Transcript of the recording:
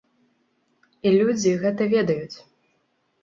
І людзі гэта ведаюць.